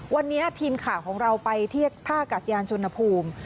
วันนี้ทีมข่าวของเราไปที่ท่ากาศยานสุนภูมิ